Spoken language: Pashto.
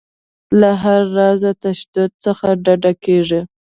له هر راز تشدد څخه ډډه کیږي.